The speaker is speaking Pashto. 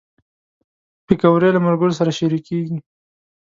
پکورې له ملګرو سره شریکېږي